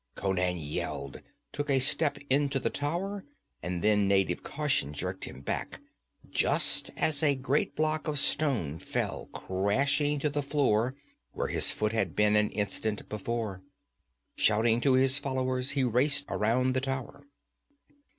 Conan yelled, took a step into the tower, and then native caution jerked him back, just as a great block of stone fell crashing to the floor where his foot had been an instant before. Shouting to his followers, he raced around the tower.